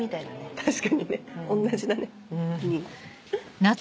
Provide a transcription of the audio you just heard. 確かにね同じだね。